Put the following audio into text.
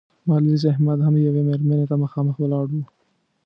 ما لیدل چې احمد هم یوې مېرمنې ته مخامخ ولاړ و.